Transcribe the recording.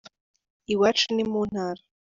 iwacu nimuntara